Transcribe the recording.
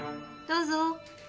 どうぞ。